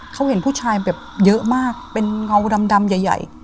เขาเห็นผู้ชายแบบเยอะมากเป็นเงาดำใหญ่